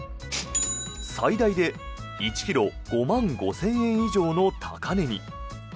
最大で１ｋｇ５万５０００円以上の高値に。